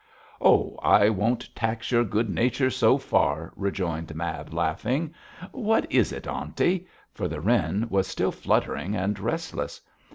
'Oh, I won't tax your good nature so far,' rejoined Mab, laughing. 'What is it, aunty?' for the wren was still fluttering and restless.